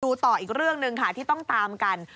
ต่ออีกเรื่องหนึ่งค่ะที่ต้องตามกัน